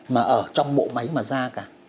mà ở trong bộ máy mà ra cả